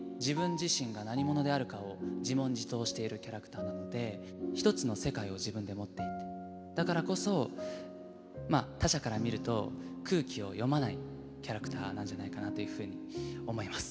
生まれてこの方常にキャラクターなので一つの世界を自分で持っていてだからこそまあ他者から見ると空気を読まないキャラクターなんじゃないかなというふうに思います